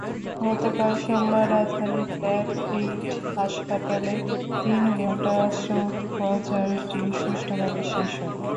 গতকাল সোমবার রাজধানীর ল্যাবএইড হাসপাতালে তিন ঘণ্টায় অস্ত্রোপচারটি সুষ্ঠুভাবে শেষ হয়।